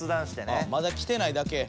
あまだ来てないだけ。